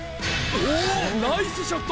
おおナイスショット！